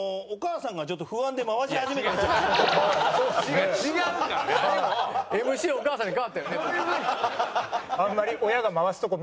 お母さんとお父さんと。